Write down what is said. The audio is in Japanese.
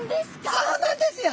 そうなんですよ！